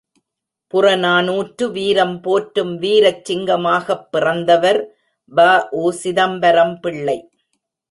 புறநானூற்று வீரம் போற்றும் வீரச் சிங்கமாகப் பிறந்தவர் வ.உ.சிதம்பரம் பிள்ளை.